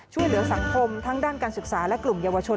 ช่วยเหลือสังคมทั้งด้านการศึกษาและกลุ่มเยาวชน